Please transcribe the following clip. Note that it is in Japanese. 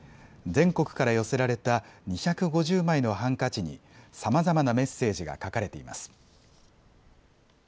全国から寄せられた２５０枚のハンカチにさまざまなメッセージが書かれています。